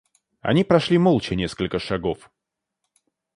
Они прошли молча несколько шагов.